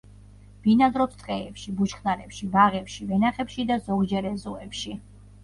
ბინადრობს ტყეებში, ბუჩქნარებში, ბაღებში, ვენახებში, ზოგჯერ ეზოებში.